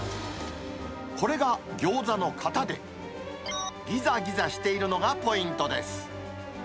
これがギョーザの型で、ぎざぎざしているのがポイントです。